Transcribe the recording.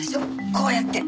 こうやって。